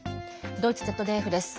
ドイツＺＤＦです。